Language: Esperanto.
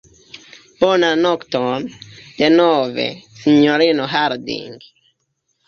Bonan nokton, denove, sinjorino Harding.